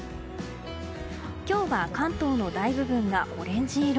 今日は関東の大部分がオレンジ色。